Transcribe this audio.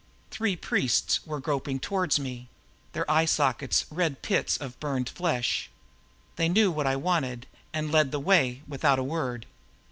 Three priests were groping toward me, their eye sockets red pits of burned flesh. They knew what I wanted and led the way without a word.